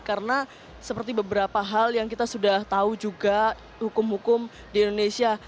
karena seperti beberapa hal yang kita sudah tahu juga hukum hukum di indonesia